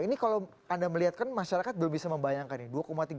ini kalau anda melihatkan masyarakat belum bisa membayangkan ini